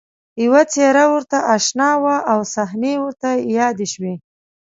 یوه څېره ورته اشنا وه او صحنې ورته یادې شوې